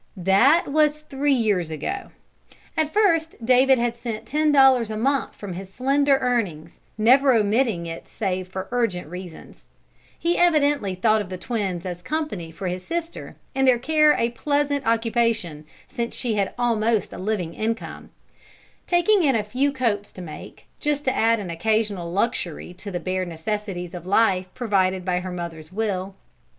That was three years ago. At first David had sent ten dollars a month from his slender earnings, never omitting it save for urgent reasons. He evidently thought of the twins as "company" for his sister and their care a pleasant occupation, since she had "almost" a living income; taking in a few coats to make, just to add an occasional luxury to the bare necessities of life provided by her mother's will.